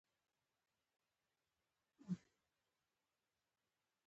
د اندازې مختلف واحدات منځته راغلل او په کار یې پیل وکړ.